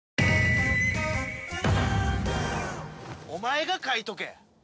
お前が書いとけ！